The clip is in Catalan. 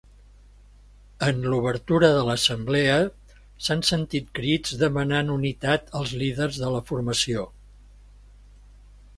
En l'obertura de l'assemblea s'han sentit crits demanant unitat als líders de la formació.